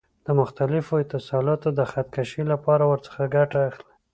د مختلفو اتصالاتو د خط کشۍ لپاره ورڅخه ګټه اخلي.